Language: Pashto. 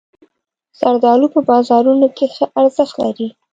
زردالو په بازارونو کې ښه ارزښت لري.